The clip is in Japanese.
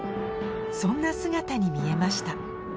そんな姿に見えました